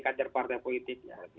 kader partai politiknya